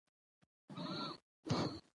د زوم د لوري خپلوان په خوښیو او شور کې